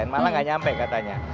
malah nggak nyampe katanya